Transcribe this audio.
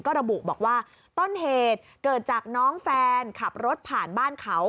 ก็ระบุบอกว่าต้นเหตุเกิดจากน้องแฟนขับรถผ่านบ้านเขา